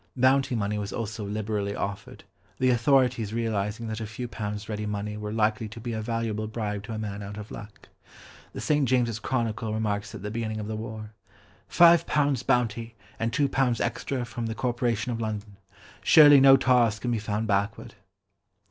Bounty money was also liberally offered, the authorities realising that a few pounds ready money were likely to be a valuable bribe to a man out of luck. The St. James's Chronicle remarks at the beginning of the war, "Five pounds bounty, and two pounds extra from the Corporation of London; surely no tars can be found backward."